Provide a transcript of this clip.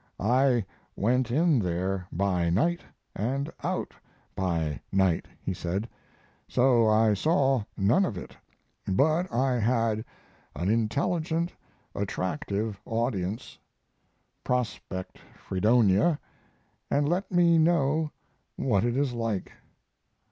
"I went in there by night and out by night," he said, "so I saw none of it, but I had an intelligent, attractive audience. Prospect Fredonia and let me know what it is like.